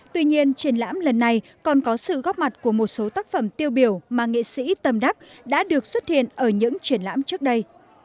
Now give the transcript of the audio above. tuy nhiên triển lãm lần này còn có sự góp mặt của một số tác phẩm tiêu biểu mà nghệ sĩ tâm đắc đã được xuất hiện ở những triển lãm trước đây